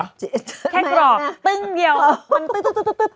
แค่กรอบตึ้งเดียวมันตึ๊บตึ๊บตึ๊บตึ๊บตึ๊บ